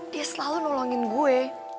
dia selalu nolongin gue